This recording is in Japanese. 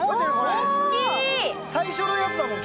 最初のやつだもん